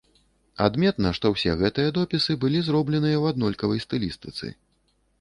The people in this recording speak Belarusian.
Адметна, што ўсе гэтыя допісы былі зробленыя ў аднолькавай стылістыцы.